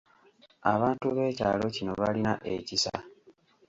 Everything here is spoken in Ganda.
Abantu b’ekyalo kino balina ekisa.